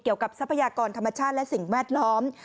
เกี่ยวกับทรัพยากรธรรมชาติและสิ่งแวดล้อม